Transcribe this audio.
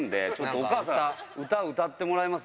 お母さん歌歌ってもらえます？